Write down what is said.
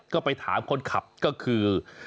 ก็ไปถามคนขับก็คือ